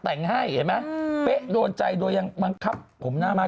แต่งให้เห็นไหมเป๊ะโดนใจโดยยังบังคับผมหน้าไม้